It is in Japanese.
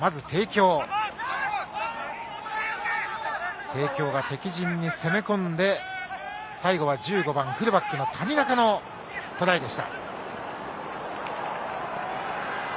帝京が敵陣に攻め込んで最後は１５番フルバックの谷中のトライでした。